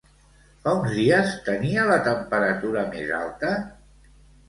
Fa uns dies tenia la temperatura més alta?